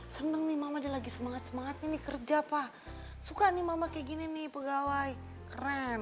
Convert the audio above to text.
seneng nih mama dia lagi semangat semangat ini kerja pak suka nih mama kayak gini nih pegawai keren